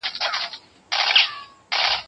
مشران ولي په ټولنه کي عدالت غواړي؟